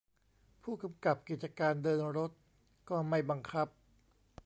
ผู้กำกับกิจการเดินรถก็ไม่บังคับ